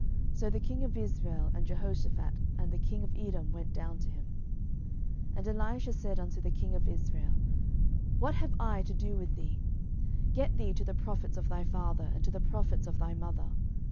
So the king of Israel and Jehoshaphat and the king of Edom went down to him. 12:003:013 And Elisha said unto the king of Israel, What have I to do with thee? get thee to the prophets of thy father, and to the prophets of thy mother.